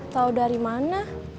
tahu dari mana